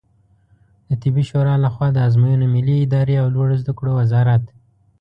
د طبي شورا له خوا د آزموینو ملي ادارې او لوړو زده کړو وزارت